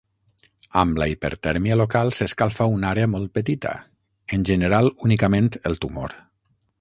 Amb la hipertèrmia local s'escalfa una àrea molt petita, en general únicament el tumor.